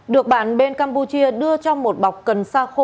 được bản bên campuchia đưa cho một bọc cần xa khô